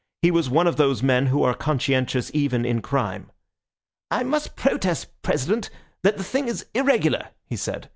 He was one of those men who are conscientious even in crime. "I must protest, President, that the thing is irregular," he said.